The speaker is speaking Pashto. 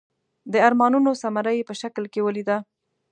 د ارمانونو ثمره یې په شکل کې ولیده.